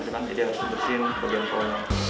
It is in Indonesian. jadi dia harus membersihkan bagian kol